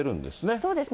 そうですね。